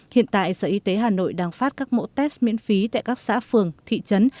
hiện tại sở y tế hà nội đang phát các mẫu test miễn phí tại các xã phường thị trấn